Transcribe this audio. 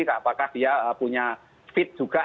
apakah dia punya feed juga